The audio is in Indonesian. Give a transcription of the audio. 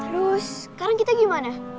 terus sekarang kita gimana